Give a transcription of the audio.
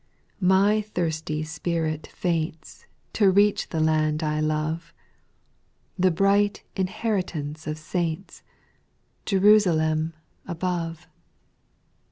My thirsty spirit faints To reach the land I love. The bright inheritance of saints, Jerusalem above.